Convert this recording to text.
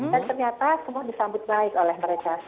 dan ternyata semua disambut naik oleh mereka